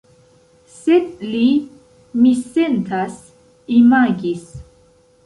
Sed li, mi sentas, imagis.